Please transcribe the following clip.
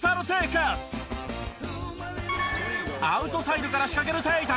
アウトサイドから仕掛けるテイタム。